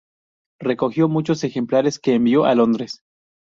Recogió muchos ejemplares, que envió a Londres.